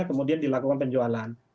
kemudian dilakukan penjualan